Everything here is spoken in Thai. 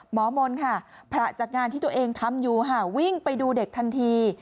หมอมนต์ค่ะพระจากงานที่ตัวเองทำอยู่ค่ะวิ่งไปดูเด็กทันที